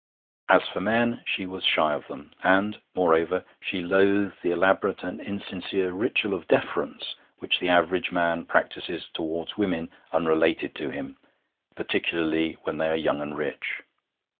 As for men, she was shy of them, and, moreover, she loathed the elaborate and insincere ritual of deference which the average man practises towards women unrelated to him, particularly when they are young and rich.